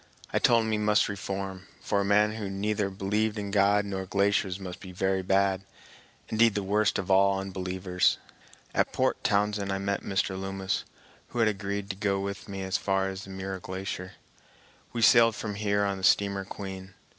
I told him he must reform, for a man who neither believed in God nor glaciers must be very bad, indeed the worst of all unbelievers. At Port Townsend I met Mr. Loomis, who had agreed to go with me as far as the Muir Glacier. We sailed from here on the steamer Queen.